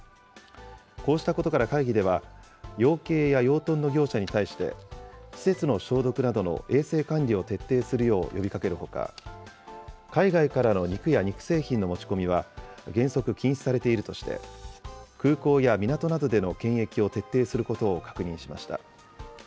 こうしたことから会議では、養鶏や養豚の業者に対して、施設の消毒などの衛生管理を徹底するよう呼びかけるほか、海外からの肉や肉製品の持ち込みは、原則禁止されているとして、空港や港などでの検疫を徹底することを確認しました。